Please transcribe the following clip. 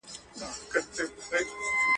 احساساتي توازن اړين دی.